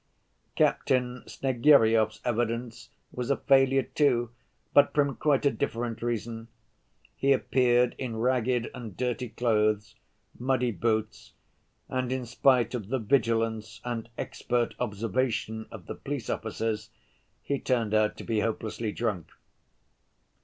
Captain Snegiryov's evidence was a failure, too, but from quite a different reason. He appeared in ragged and dirty clothes, muddy boots, and in spite of the vigilance and expert observation of the police officers, he turned out to be hopelessly drunk.